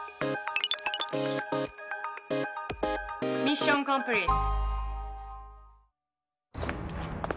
ミッションコンプリート。